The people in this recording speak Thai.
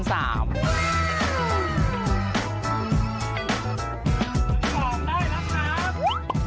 ของได้แล้วครับ